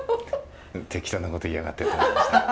「適当なこと言いやがって」と思いましたけど。